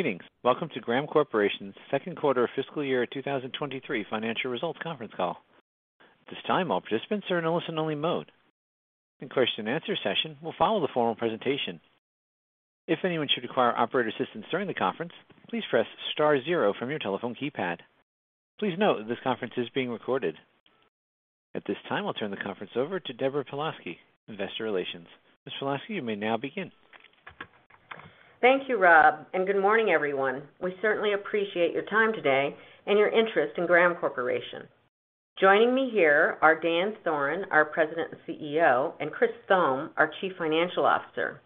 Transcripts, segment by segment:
Greetings. Welcome to Graham Corporation's second quarter fiscal year 2023 financial results conference call. At this time, all participants are in a listen-only mode. The question and answer session will follow the formal presentation. If anyone should require operator assistance during the conference, please press star zero from your telephone keypad. Please note, this conference is being recorded. At this time, I'll turn the conference over to Deborah Pawlowski, Investor Relations. Ms. Pawlowski, you may now begin. Thank you, Rob, and good morning, everyone. We certainly appreciate your time today and your interest in Graham Corporation. Joining me here are Daniel J. Thoren, our President and Chief Executive Officer, and Chris Thome, our Chief Financial Officer.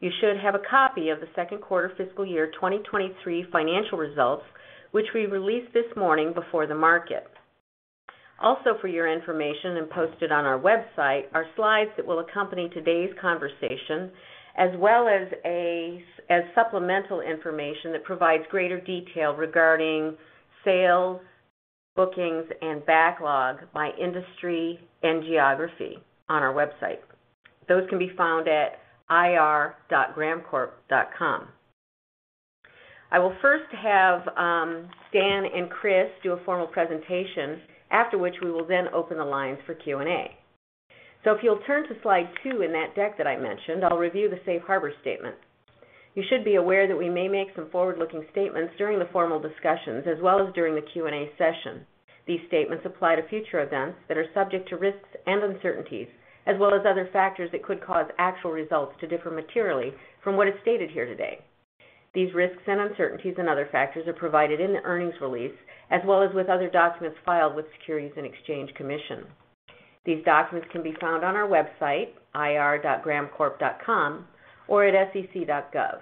You should have a copy of the second quarter fiscal year 2023 financial results, which we released this morning before the market. Also for your information and posted on our website are slides that will accompany today's conversation as well as as supplemental information that provides greater detail regarding sales, bookings, and backlog by industry and geography on our website. Those can be found at ir.grahamcorp.com. I will first have Dan and Chris do a formal presentation, after which we will then open the lines for Q&A. If you'll turn to slide two in that deck that I mentioned, I'll review the safe harbor statement. You should be aware that we may make some forward-looking statements during the formal discussions as well as during the Q&A session. These statements apply to future events that are subject to risks and uncertainties, as well as other factors that could cause actual results to differ materially from what is stated here today. These risks and uncertainties and other factors are provided in the earnings release as well as with other documents filed with Securities and Exchange Commission. These documents can be found on our website, ir.grahamcorp.com, or at sec.gov.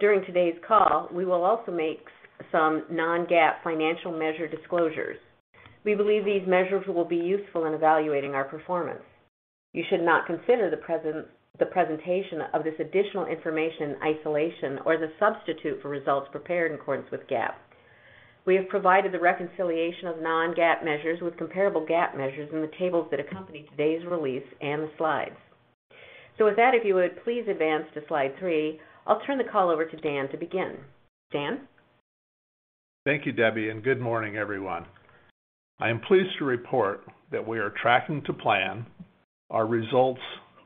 During today's call, we will also make some Non-GAAP financial measure disclosures. We believe these measures will be useful in evaluating our performance. You should not consider the presentation of this additional information in isolation or as a substitute for results prepared in accordance with GAAP. We have provided the reconciliation of Non-GAAP measures with comparable GAAP measures in the tables that accompany today's release and the slides. With that, if you would please advance to slide three, I'll turn the call over to Dan to begin. Dan? Thank you, Debbie, and good morning, everyone. I am pleased to report that we are tracking to plan. Our results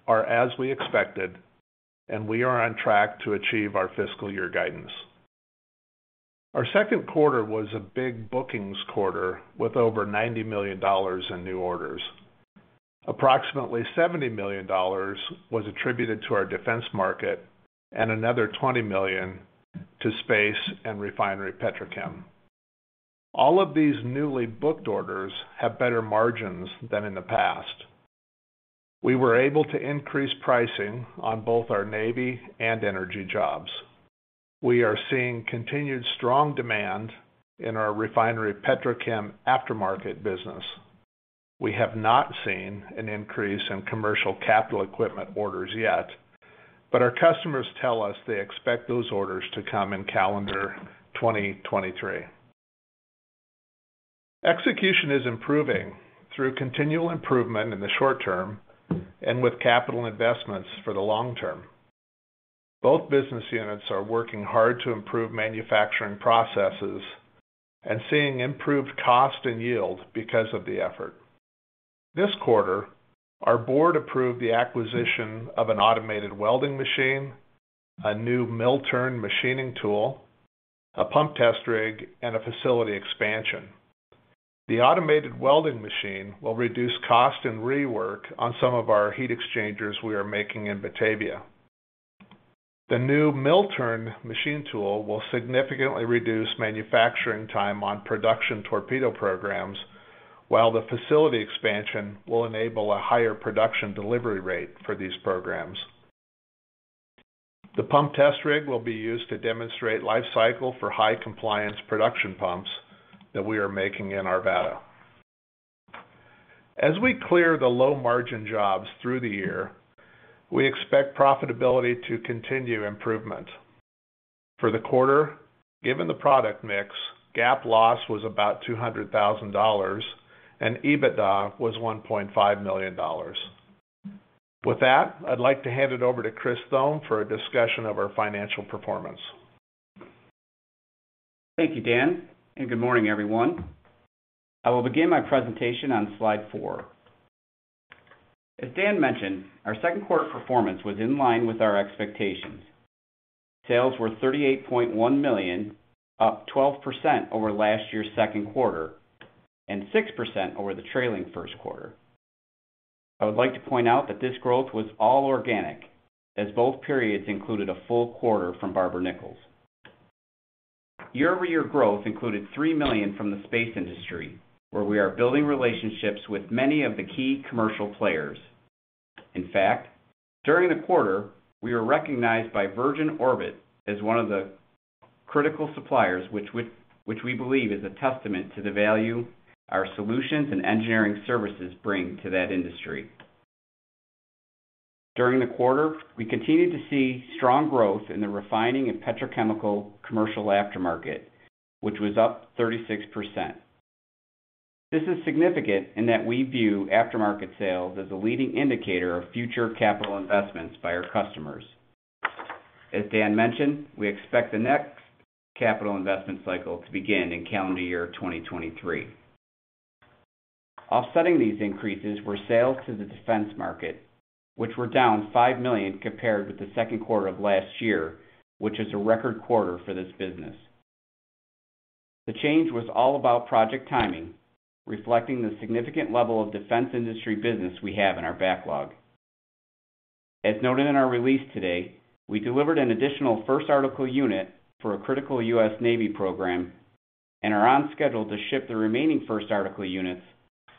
are as we expected, and we are on track to achieve our fiscal year guidance. Our second quarter was a big bookings quarter with over $90 million in new orders. Approximately $70 million was attributed to our defense market and another $20 million to space and refinery petrochem. All of these newly booked orders have better margins than in the past. We were able to increase pricing on both our Navy and energy jobs. We are seeing continued strong demand in our refinery petrochem aftermarket business. We have not seen an increase in commercial capital equipment orders yet, but our customers tell us they expect those orders to come in calendar 2023. Execution is improving through continual improvement in the short term and with capital investments for the long term. Both business units are working hard to improve manufacturing processes and seeing improved cost and yield because of the effort. This quarter, our board approved the acquisition of an automated welding machine, a new mill-turn machining tool, a pump test rig, and a facility expansion. The automated welding machine will reduce cost and rework on some of our heat exchangers we are making in Batavia. The new mill-turn machine tool will significantly reduce manufacturing time on production torpedo programs, while the facility expansion will enable a higher production delivery rate for these programs. The pump test rig will be used to demonstrate life cycle for high compliance production pumps that we are making in Arvada. As we clear the low margin jobs through the year, we expect profitability to continue improvement. For the quarter, given the product mix, GAAP loss was about $200,000, and EBITDA was $1.5 million. With that, I'd like to hand it over to Chris Thome for a discussion of our financial performance. Thank you, Dan, and good morning, everyone. I will begin my presentation on slide four. As Dan mentioned, our second quarter performance was in line with our expectations. Sales were $38.1 million, up 12% over last year's second quarter and 6% over the trailing first quarter. I would like to point out that this growth was all organic as both periods included a full quarter from Barber-Nichols. Year-over-year growth included $3 million from the space industry where we are building relationships with many of the key commercial players. In fact, during the quarter, we were recognized by Virgin Orbit as one of the critical suppliers which we believe is a testament to the value our solutions and engineering services bring to that industry. During the quarter, we continued to see strong growth in the refining and petrochemical commercial aftermarket, which was up 36%. This is significant in that we view aftermarket sales as a leading indicator of future capital investments by our customers. As Dan mentioned, we expect the next capital investment cycle to begin in calendar year 2023. Offsetting these increases were sales to the defense market, which were down $5 million compared with the second quarter of last year, which is a record quarter for this business. The change was all about project timing, reflecting the significant level of defense industry business we have in our backlog. As noted in our release today, we delivered an additional first article unit for a critical U.S. Navy program and are on schedule to ship the remaining first article units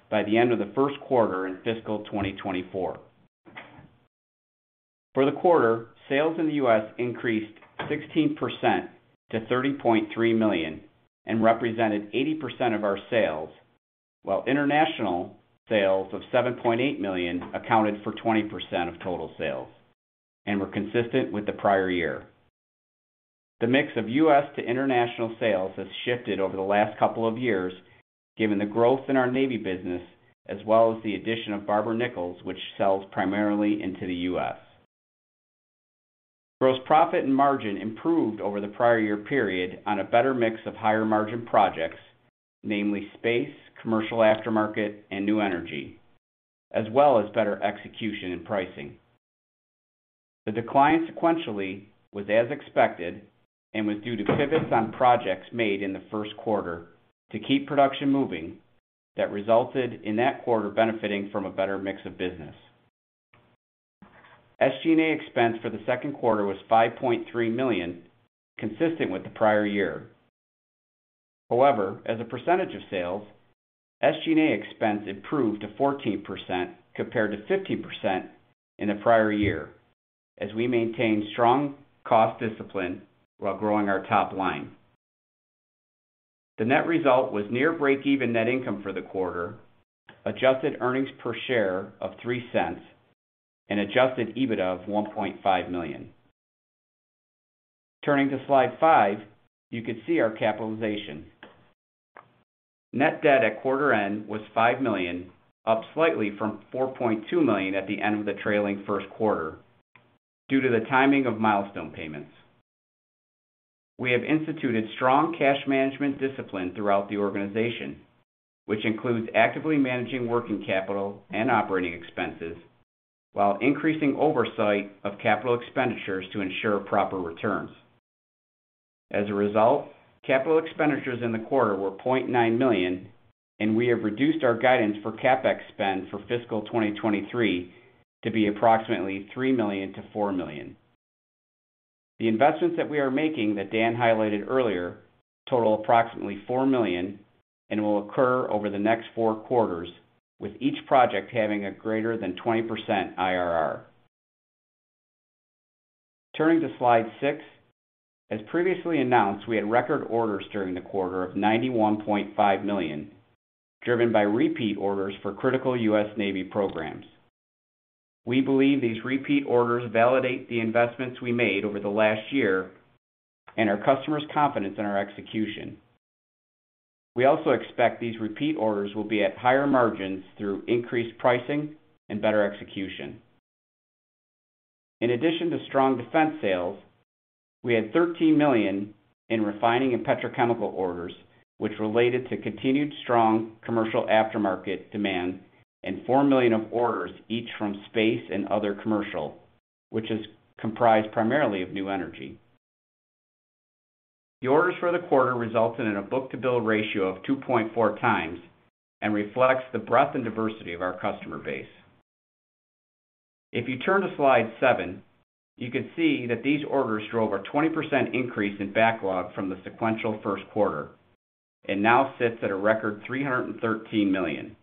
by the end of the first quarter in fiscal 2024. For the quarter, sales in the U.S. increased 16% to $30.3 million and represented 80% of our sales, while international sales of $7.8 million accounted for 20% of total sales and were consistent with the prior year. The mix of U.S. to international sales has shifted over the last couple of years, given the growth in our Navy business as well as the addition of Barber-Nichols, which sells primarily into the U.S. Gross profit and margin improved over the prior year period on a better mix of higher-margin projects, namely space, commercial aftermarket, and new energy, as well as better execution and pricing. The decline sequentially was as expected and was due to pivots on projects made in the first quarter to keep production moving that resulted in that quarter benefiting from a better mix of business. SG&A expense for the second quarter was $5.3 million, consistent with the prior year. However, as a percentage of sales, SG&A expense improved to 14% compared to 15% in the prior year as we maintained strong cost discipline while growing our top line. The net result was near breakeven net income for the quarter, adjusted earnings per share of $0.03, and adjusted EBITDA of $1.5 million. Turning to slide five, you can see our capitalization. Net debt at quarter end was $5 million, up slightly from $4.2 million at the end of the trailing first quarter due to the timing of milestone payments. We have instituted strong cash management discipline throughout the organization, which includes actively managing working capital and operating expenses while increasing oversight of capital expenditures to ensure proper returns. As a result, capital expenditures in the quarter were $0.9 million, and we have reduced our guidance for CapEx spend for fiscal 2023 to be approximately $3 million-$4 million. The investments that we are making that Dan highlighted earlier total approximately $4 million and will occur over the next four quarters, with each project having a greater than 20% IRR. Turning to slide six, as previously announced, we had record orders during the quarter of $91.5 million, driven by repeat orders for critical US Navy programs. We believe these repeat orders validate the investments we made over the last year and our customers' confidence in our execution. We also expect these repeat orders will be at higher margins through increased pricing and better execution. In addition to strong defense sales, we had $13 million in refining and petrochemical orders, which related to continued strong commercial aftermarket demand, and $4 million of orders each from space and other commercial, which is comprised primarily of new energy. The orders for the quarter resulted in a book-to-bill ratio of 2.4x and reflects the breadth and diversity of our customer base. If you turn to slide seven, you can see that these orders drove a 20% increase in backlog from the sequential first quarter and now sits at a record $313 million.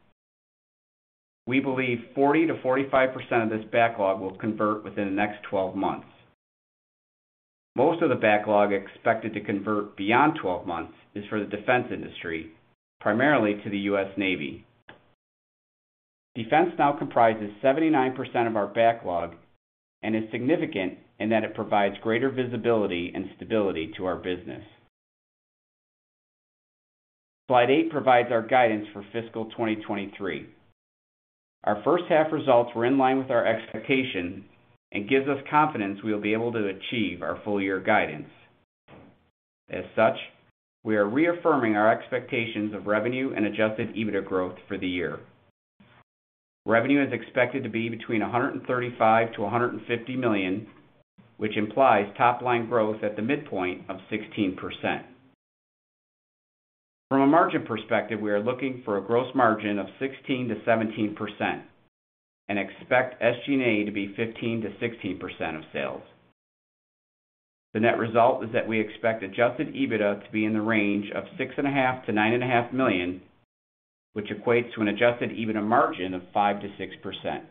We believe 40%-45% of this backlog will convert within the next twelve months. Most of the backlog expected to convert beyond twelve months is for the defense industry, primarily to the U.S. Navy. Defense now comprises 79% of our backlog and is significant in that it provides greater visibility and stability to our business. Slide eight provides our guidance for fiscal 2023. Our first half results were in line with our expectations and gives us confidence we will be able to achieve our full year guidance. As such, we are reaffirming our expectations of revenue and adjusted EBITDA growth for the year. Revenue is expected to be between $135 million-$150 million, which implies top line growth at the midpoint of 16%. From a margin perspective, we are looking for a gross margin of 16%-17% and expect SG&A to be 15%-16% of sales. The net result is that we expect adjusted EBITDA to be in the range of $6.5 million-$9.5 million, which equates to an adjusted EBITDA margin of 5%-6%.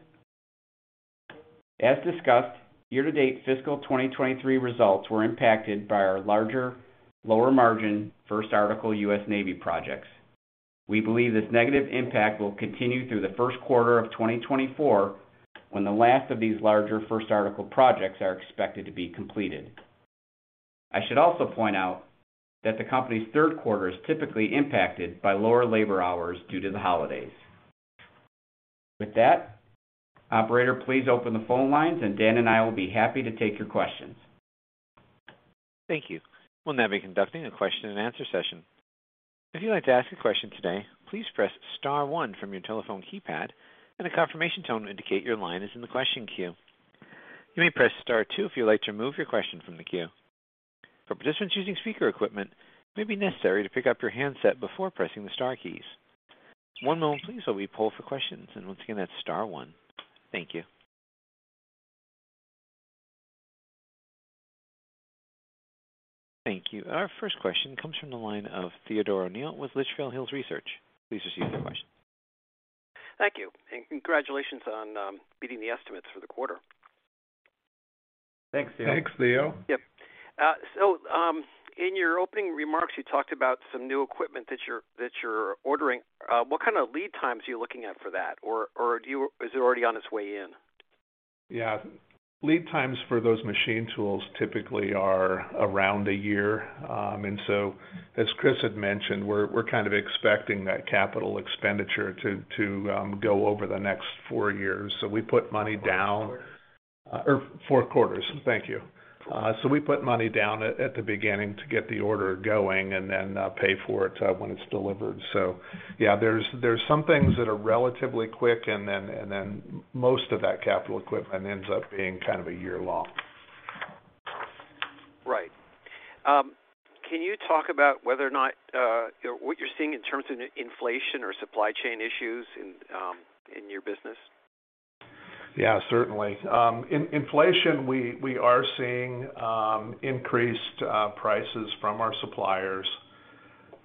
As discussed, year-to-date fiscal 2023 results were impacted by our larger, lower-margin first article U.S. Navy projects. We believe this negative impact will continue through the first quarter of 2024 when the last of these larger first article projects are expected to be completed. I should also point out that the company's third quarter is typically impacted by lower labor hours due to the holidays. With that, operator, please open the phone lines, and Dan and I will be happy to take your questions. Thank you. We'll now be conducting a question-and-answer session. If you'd like to ask a question today, please press star one from your telephone keypad, and a confirmation tone will indicate your line is in the question queue. You may press star two if you'd like to remove your question from the queue. For participants using speaker equipment, it may be necessary to pick up your handset before pressing the star keys. One moment please, while we poll for questions, and once again, that's star one. Thank you. Thank you. Our first question comes from the line of Theodore O'Neill with Litchfield Hills Research. Please proceed with your question. Thank you. Congratulations on beating the estimates for the quarter. Thanks, Theo. Thanks, Theo. Yep. In your opening remarks, you talked about some new equipment that you're ordering. What kind of lead times are you looking at for that? Or is it already on its way in? Yeah. Lead times for those machine tools typically are around a year. As Chris had mentioned, we're kind of expecting that capital expenditure to go over the next four years. We put money down four quarters. Four quarters. Thank you. We put money down at the beginning to get the order going and then pay for it when it's delivered. Yeah, there's some things that are relatively quick, and then most of that capital equipment ends up being kind of a year long. Right. Can you talk about whether or not, you know, what you're seeing in terms of inflation or supply chain issues in your business? Yeah, certainly. With inflation, we are seeing increased prices from our suppliers,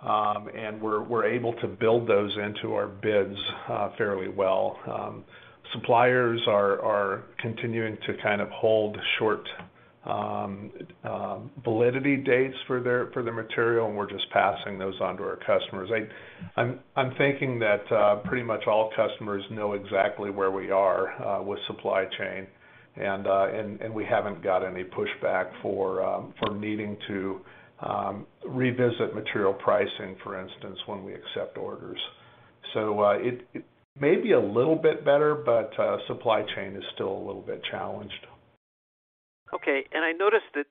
and we're able to build those into our bids fairly well. Suppliers are continuing to kind of hold short validity dates for their material, and we're just passing those on to our customers. I'm thinking that pretty much all customers know exactly where we are with supply chain, and we haven't got any pushback for needing to revisit material pricing, for instance, when we accept orders. It may be a little bit better, but supply chain is still a little bit challenged. Okay. I noticed that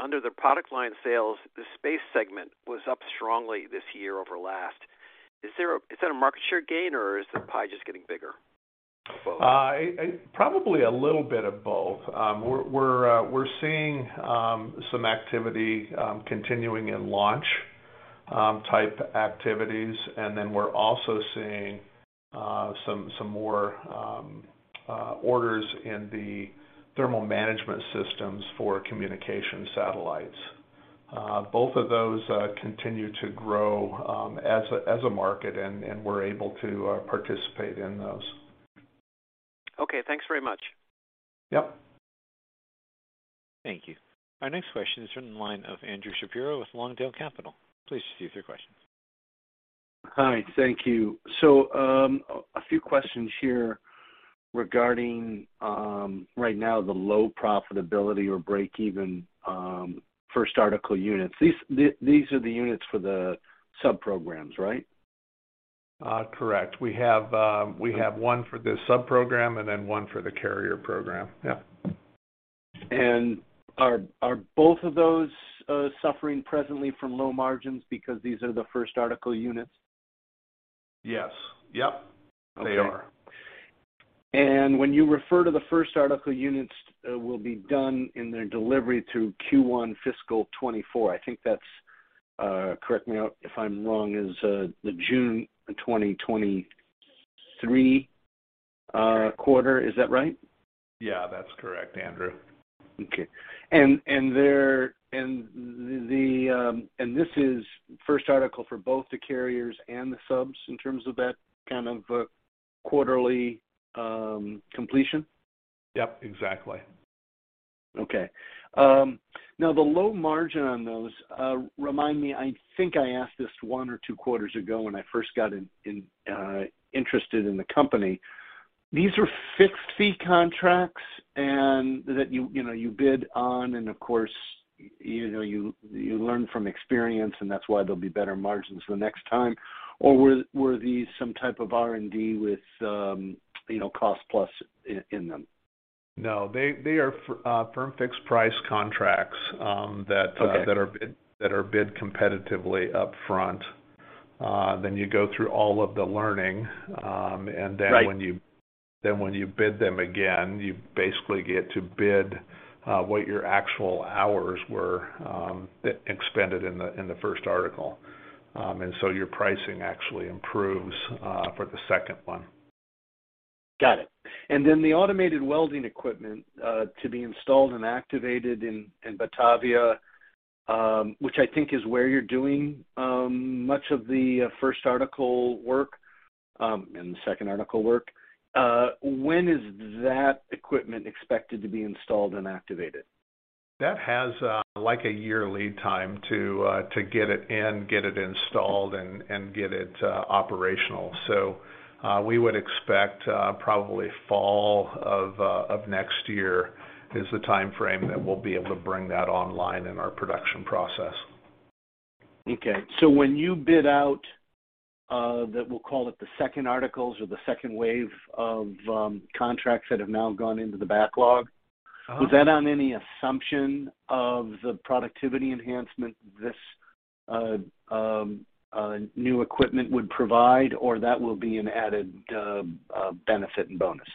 under the product line sales, the space segment was up strongly this year over last. Is that a market share gain, or is the pie just getting bigger? Probably a little bit of both. We're seeing some activity continuing in launch type activities. We're also seeing some more orders in the thermal management systems for communication satellites. Both of those continue to grow as a market, and we're able to participate in those. Okay. Thanks very much. Yep. Thank you. Our next question is from the line of Andrew Shapiro with Lawndale Capital. Please proceed with your question. Hi. Thank you. A few questions here regarding right now the low profitability or break-even first article units. These are the units for the sub programs, right? Correct. We have one for the sub program and then one for the carrier program. Yeah. Are both of those suffering presently from low margins because these are the first article units? Yes. Yep. Okay. They are. When you refer to the first article units, will be done in their delivery through Q1 fiscal 2024, I think that's correct me if I'm wrong is the June 2023 quarter. Is that right? Yeah, that's correct, Andrew. Okay. This is first article for both the carriers and the subs in terms of that kind of quarterly completion? Yep, exactly. Okay. Now the low margin on those, remind me, I think I asked this one or two quarters ago when I first got in, interested in the company. These are firm-fixed-price contracts and that you know you bid on, and of course, you know you learn from experience, and that's why there'll be better margins the next time. Or were these some type of R&D with you know, cost-plus in them? No. They are firm fixed price contracts. Okay. that are bid competitively upfront. You go through all of the learning, and then. Right. When you bid them again, you basically get to bid what your actual hours were expended in the first article. Your pricing actually improves for the second one. Got it. The automated welding equipment to be installed and activated in Batavia, which I think is where you're doing much of the first article work and the second article work. When is that equipment expected to be installed and activated? That has, like a year lead time to get it in, get it installed and get it operational. We would expect probably fall of next year is the timeframe that we'll be able to bring that online in our production process. Okay. When you bid out, that we'll call it the second articles or the second wave of contracts that have now gone into the backlog. Uh-huh. Was that on any assumption of the productivity enhancement this new equipment would provide, or that will be an added benefit and bonus?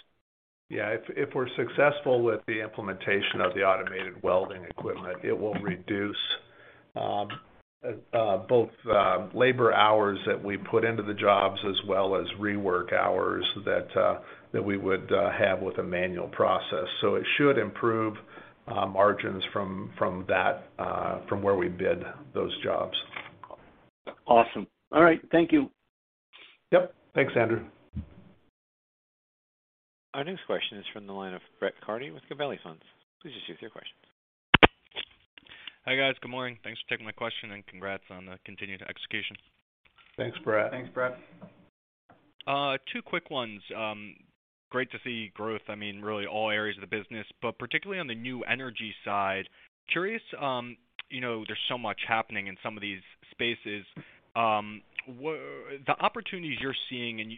Yeah. If we're successful with the implementation of the automated welding equipment, it will reduce both labor hours that we put into the jobs as well as rework hours that we would have with a manual process. It should improve margins from where we bid those jobs. Awesome. All right, thank you. Yep. Thanks, Andrew. Our next question is from the line of Brett Kearney with Gabelli Funds. Please proceed with your question. Hi, guys. Good morning. Thanks for taking my question, and congrats on the continued execution. Thanks, Brett. Thanks, Brett. Two quick ones. Great to see growth, I mean, really all areas of the business, but particularly on the new energy side. Curious, you know, there's so much happening in some of these spaces. The opportunities you're seeing and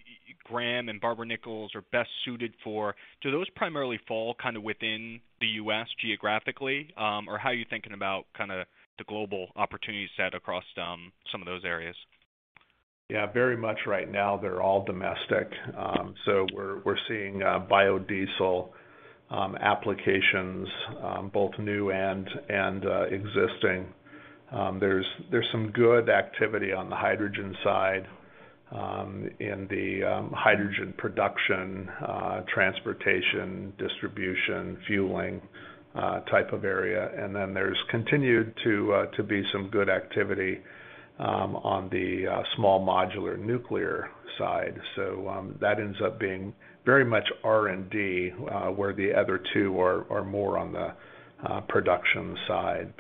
Graham and Barber-Nichols are best suited for, do those primarily fall kind of within the U.S. geographically, or how are you thinking about kinda the global opportunity set across some of those areas? Yeah. Very much right now, they're all domestic. So we're seeing biodiesel applications both new and existing. There's some good activity on the hydrogen side in the hydrogen production, transportation, distribution, fueling type of area. Then there's continued to be some good activity on the small modular nuclear side. That ends up being very much R&D where the other two are more on the production side.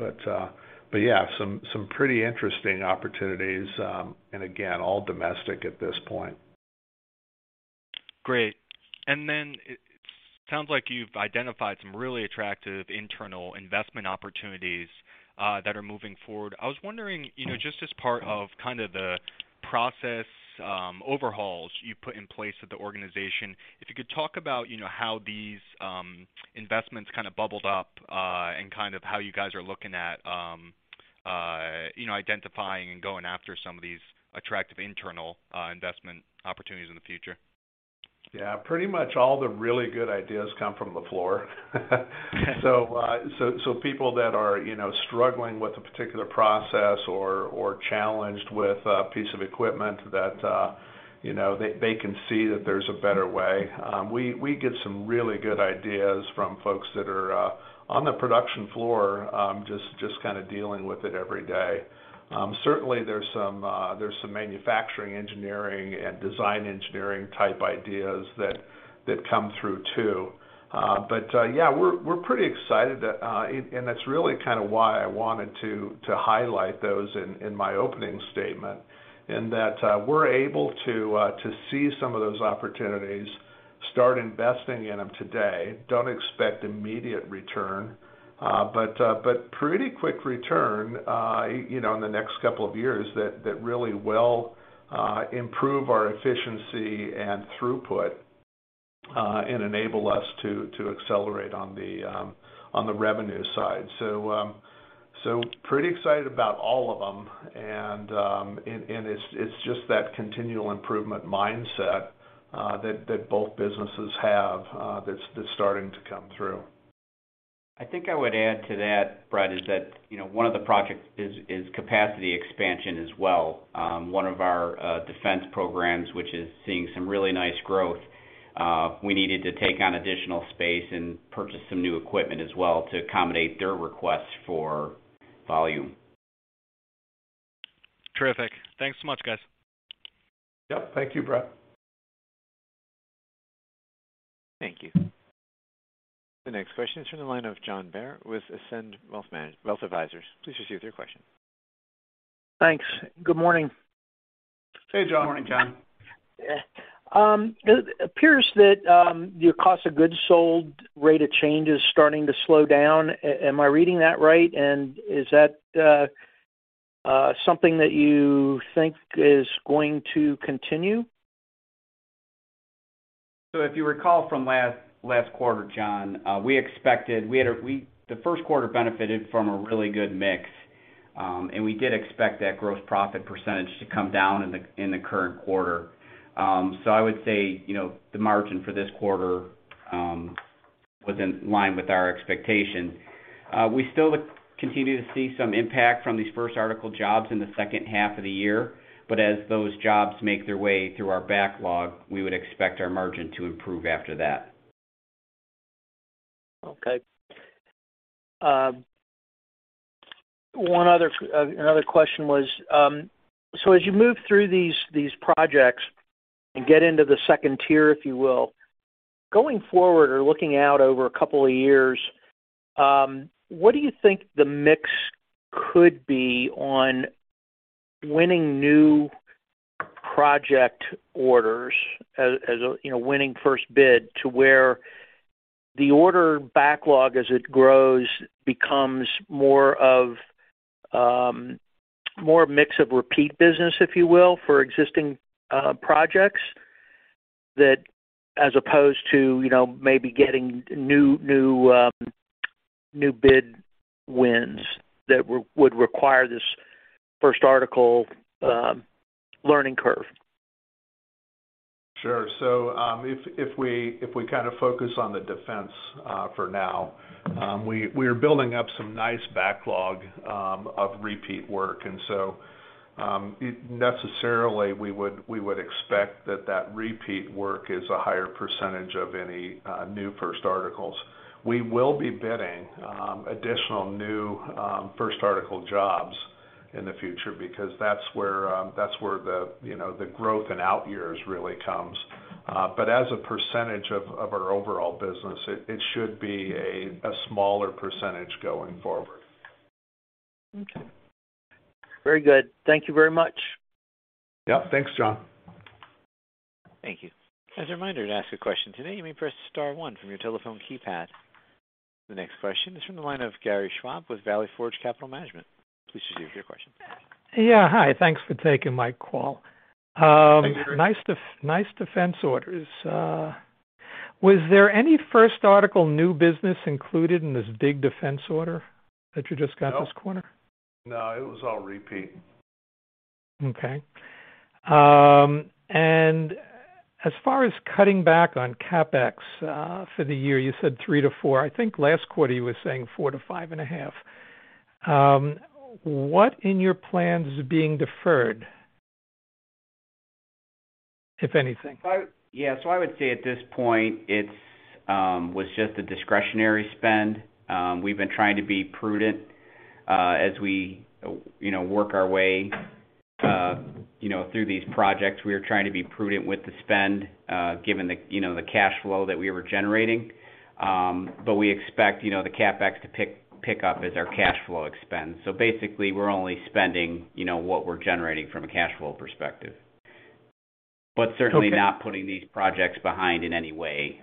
Yeah, some pretty interesting opportunities and again, all domestic at this point. Great. It sounds like you've identified some really attractive internal investment opportunities that are moving forward. I was wondering, you know, just as part of kind of the process overhauls you put in place at the organization, if you could talk about, you know, how these investments kind of bubbled up and kind of how you guys are looking at you know, identifying and going after some of these attractive internal investment opportunities in the future. Yeah. Pretty much all the really good ideas come from the floor. People that are, you know, struggling with a particular process or challenged with a piece of equipment that, you know, they can see that there's a better way. We get some really good ideas from folks that are on the production floor, just kinda dealing with it every day. Certainly there's some manufacturing engineering and design engineering type ideas that come through too. Yeah, we're pretty excited, and that's really kind of why I wanted to highlight those in my opening statement. In that, we're able to see some of those opportunities, start investing in them today, don't expect immediate return, but pretty quick return, you know, in the next couple of years that really will improve our efficiency and throughput, and enable us to accelerate on the revenue side. Pretty excited about all of them. It's just that continual improvement mindset that both businesses have, that's starting to come through. I think I would add to that, Brett, is that, you know, one of the projects is capacity expansion as well. One of our defense programs, which is seeing some really nice growth, we needed to take on additional space and purchase some new equipment as well to accommodate their request for volume. Terrific. Thanks so much, guys. Yep. Thank you, Brett. Thank you. The next question is from the line of John Bair with Ascend Wealth Advisors. Please proceed with your question. Thanks. Good morning. Hey, John. Good morning, John. It appears that your cost of goods sold rate of change is starting to slow down. Am I reading that right? Is that something that you think is going to continue? If you recall from last quarter, John, we expected the first quarter benefited from a really good mix, and we did expect that gross profit percentage to come down in the current quarter. I would say, you know, the margin for this quarter was in line with our expectation. We still would continue to see some impact from these first article jobs in the second half of the year, but as those jobs make their way through our backlog, we would expect our margin to improve after that. Okay. Another question was, so as you move through these projects and get into the second tier, if you will, going forward or looking out over a couple of years, what do you think the mix could be on winning new project orders as you know, winning first bid to where the order backlog as it grows, becomes more of a mix of repeat business, if you will, for existing projects that as opposed to, you know, maybe getting new bid wins that would require this first article learning curve? Sure. If we kind of focus on the defense for now, we are building up some nice backlog of repeat work. Necessarily we would expect that repeat work is a higher percentage of any new first articles. We will be bidding additional new first article jobs in the future because that's where you know the growth in outyears really comes. As a percentage of our overall business, it should be a smaller percentage going forward. Okay. Very good. Thank you very much. Yep. Thanks, John. Thank you. As a reminder, to ask a question today, you may press star one from your telephone keypad. The next question is from the line of Gary Schwab with Valley Forge Capital Management. Please proceed with your question. Yeah, hi. Thanks for taking my call. Thank you, Gary. Nice defense orders. Was there any first article new business included in this big defense order that you just got this quarter? No, it was all repeat. Okay, as far as cutting back on CapEx for the year, you said $3 million-$4 million. I think last quarter you were saying $4 million-$5.5 million. What in your plan is being deferred, if anything? I would say at this point, it was just a discretionary spend. We've been trying to be prudent as we you know work our way you know through these projects. We are trying to be prudent with the spend given the you know the cash flow that we were generating. But we expect you know the CapEx to pick up as our cash flow expands. Basically, we're only spending you know what we're generating from a cash flow perspective. Okay. Certainly not putting these projects behind in any way.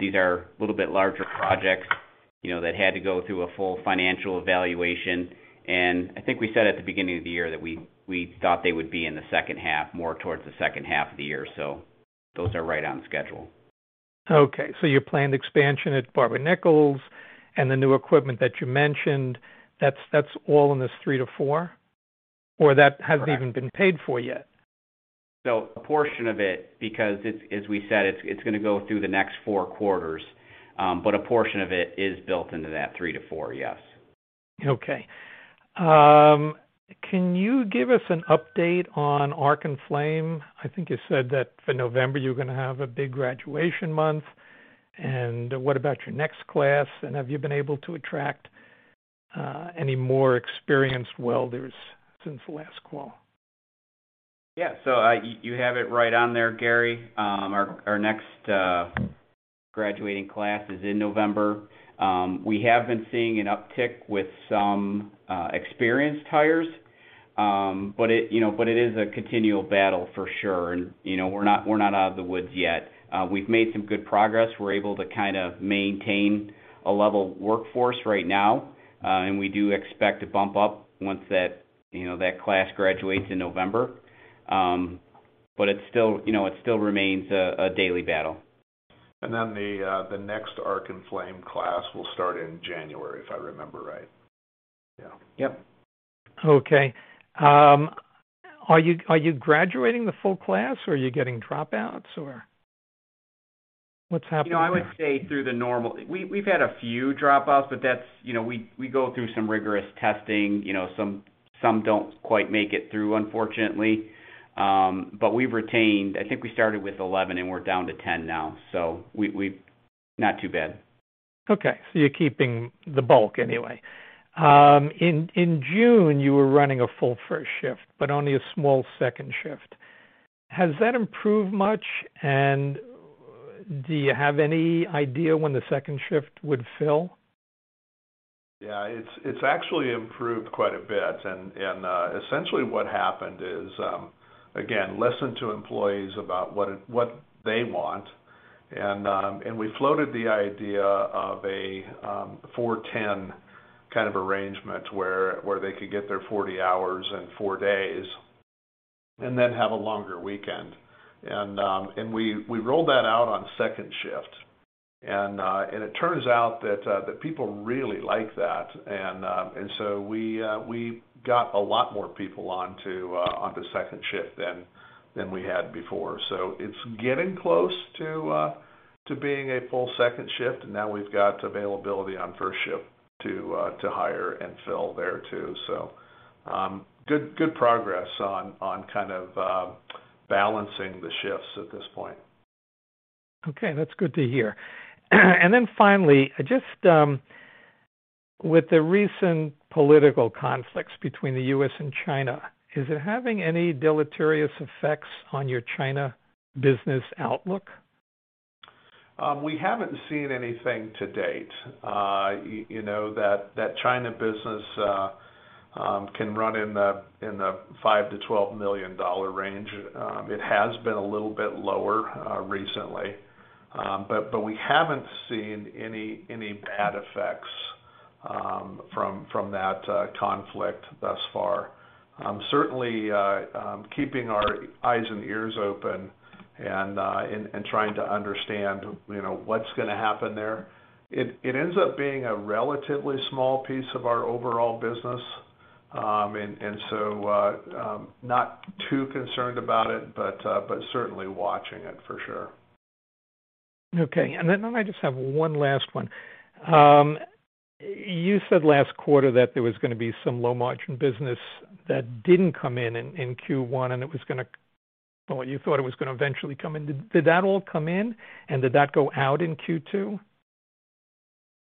These are a little bit larger projects, you know, that had to go through a full financial evaluation. I think we said at the beginning of the year that we thought they would be in the second half, more towards the second half of the year. Those are right on schedule. Okay. Your planned expansion at Barber-Nichols and the new equipment that you mentioned, that's all in this three to four? Correct. That hasn't even been paid for yet? A portion of it, because it's as we said, it's gonna go through the next four quarters. But a portion of it is built into that $3 million-$4 million, yes. Okay. Can you give us an update on Arc & Flame? I think you said that for November you're gonna have a big graduation month. What about your next class? Have you been able to attract any more experienced welders since the last call? Yeah. You have it right on there, Gary. Our next graduating class is in November. We have been seeing an uptick with some experienced hires. It, you know, but it is a continual battle for sure. You know, we're not out of the woods yet. We've made some good progress. We're able to kind of maintain a level workforce right now. We do expect to bump up once that, you know, that class graduates in November. It still, you know, it still remains a daily battle. The next Arc & Flame class will start in January, if I remember right. Yeah. Yep. Okay. Are you graduating the full class, or are you getting dropouts, or what's happening there? You know, I would say through the normal. We've had a few dropouts, but that's. You know, we go through some rigorous testing. You know, some don't quite make it through, unfortunately. But we've retained. I think we started with 11, and we're down to 10 now, so we've not too bad. Okay. You're keeping the bulk anyway. In June, you were running a full first shift but only a small second shift. Has that improved much, and do you have any idea when the second shift would fill? Yeah. It's actually improved quite a bit. Essentially what happened is, again, listened to employees about what they want. We floated the idea of a 4/10 kind of arrangement where they could get their 40 hours in four days, and then have a longer weekend. We rolled that out on second shift. It turns out that people really like that. We got a lot more people onto second shift than we had before. It's getting close to being a full second shift. Now we've got availability on first shift to hire and fill there too. Good progress on kind of balancing the shifts at this point. Okay. That's good to hear. Finally, just, with the recent political conflicts between the U.S. and China, is it having any deleterious effects on your China business outlook? We haven't seen anything to date. You know, that China business can run in the $5 million-$12 million range. It has been a little bit lower recently. We haven't seen any bad effects from that conflict thus far. Certainly keeping our eyes and ears open and trying to understand, you know, what's gonna happen there. It ends up being a relatively small piece of our overall business. Not too concerned about it, but certainly watching it for sure. Okay. I just have one last one. You said last quarter that there was gonna be some low margin business that didn't come in in Q1, and you thought it was gonna eventually come in. Did that all come in? Did that go out in Q2?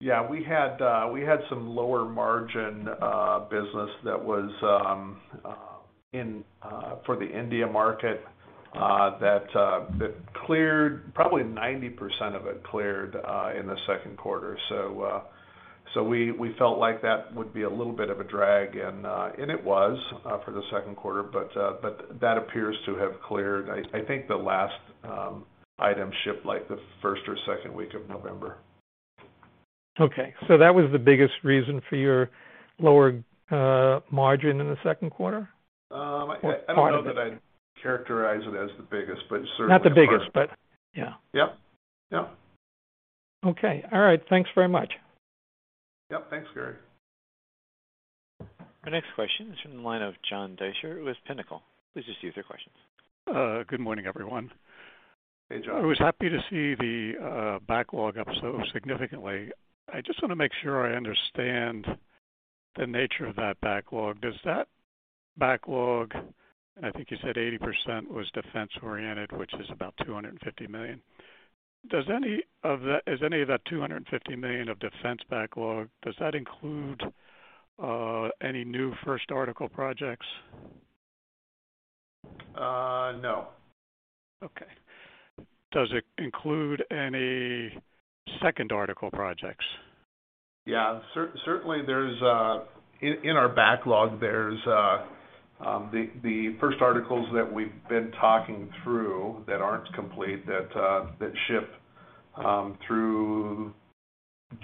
Yeah. We had some lower margin business that was in for the India market that cleared. Probably 90% of it cleared in the second quarter. We felt like that would be a little bit of a drag and it was for the second quarter, but that appears to have cleared. I think the last item shipped like the first or second week of November. Okay. That was the biggest reason for your lower margin in the second quarter? Um- Part of it. I don't know that I'd characterize it as the biggest, but certainly. Not the biggest, but yeah. Yep. Yep. Okay. All right. Thanks very much. Yep. Thanks, Gary. Our next question is from the line of John Deysher with Pinnacle. Please just use your question. Good morning, everyone. Hey, John. I was happy to see the backlog up so significantly. I just wanna make sure I understand the nature of that backlog. Does that backlog, and I think you said 80% was defense-oriented, which is about $250 million. Is any of that $250 million of defense backlog, does that include any new first article projects? No. Okay. Does it include any second article projects? Yeah. Certainly, there's in our backlog the first articles that we've been talking through that aren't complete that ship through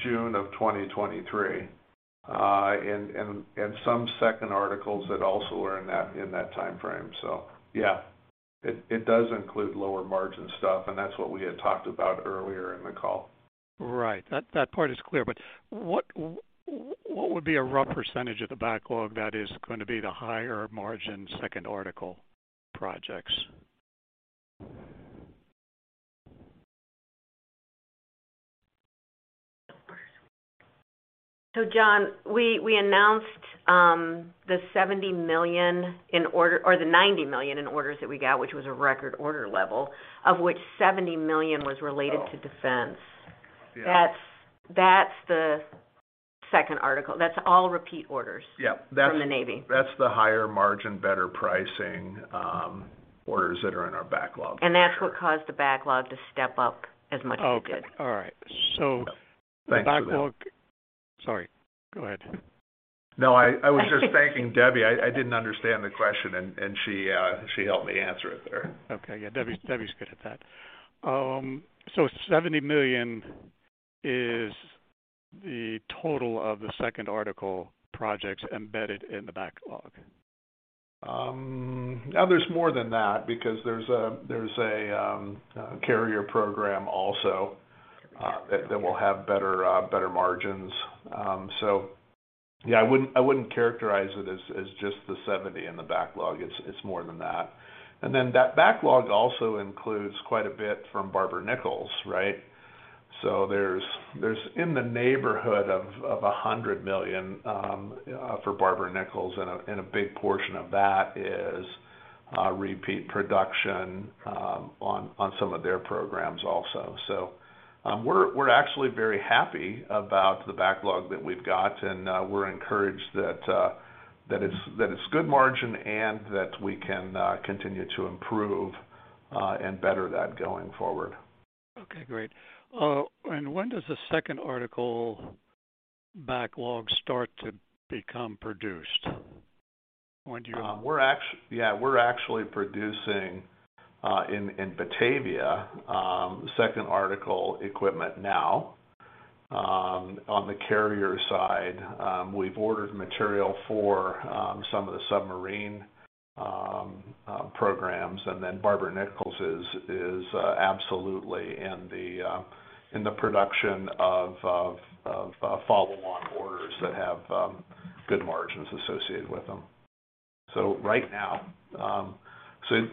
June 2023. Some second articles that also are in that timeframe. Yeah, it does include lower margin stuff, and that's what we had talked about earlier in the call. Right. That part is clear. What would be a rough percentage of the backlog that is going to be the higher margin second article projects? John, we announced the $70 million in order or the $90 million in orders that we got, which was a record order level, of which $70 million was related to defense. Oh. Yeah. That's the second article. That's all repeat orders. Yeah. from the Navy. That's the higher margin, better pricing, orders that are in our backlog for sure. That's what caused the backlog to step up as much as it did. Okay. All right. Yeah. Thanks. Sorry, go ahead. No, I was just thanking Debbie. I didn't understand the question, and she helped me answer it there. Okay. Yeah. Debbie's good at that. $70 million is the total of the second article projects embedded in the backlog. Now there's more than that because there's a carrier program also that will have better margins. Yeah, I wouldn't characterize it as just the $70 million in the backlog. It's more than that. That backlog also includes quite a bit from Barber-Nichols, right? There's in the neighborhood of $100 million for Barber-Nichols, and a big portion of that is repeat production on some of their programs also. We're actually very happy about the backlog that we've got, and we're encouraged that it's good margin and that we can continue to improve and better that going forward. Okay, great. When does the second article backlog start to become produced? When do you- We're actually producing in Batavia second article equipment now. On the carrier side, we've ordered material for some of the submarine programs, and then Barber-Nichols is absolutely in the production of follow-on orders that have good margins associated with them. Right now,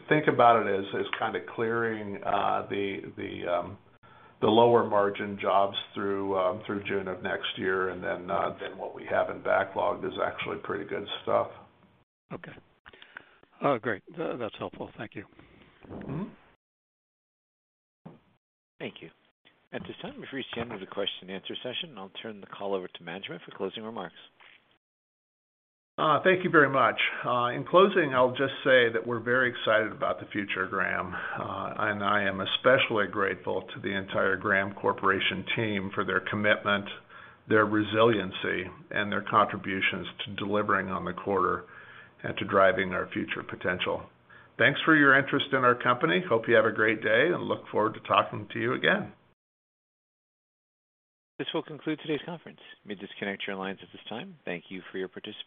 think about it as kinda clearing the lower margin jobs through June of next year, and then what we have in backlog is actually pretty good stuff. Okay. Great. That, that's helpful. Thank you. Mm-hmm. Thank you. At this time, we've reached the end of the question and answer session. I'll turn the call over to management for closing remarks. Thank you very much. In closing, I'll just say that we're very excited about the future, Graham. I am especially grateful to the entire Graham Corporation team for their commitment, their resiliency, and their contributions to delivering on the quarter and to driving our future potential. Thanks for your interest in our company. Hope you have a great day and look forward to talking to you again. This will conclude today's conference. You may disconnect your lines at this time. Thank you for your participation.